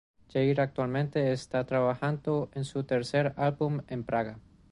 Jade actualmente está trabajando en su tercer álbum en Praga.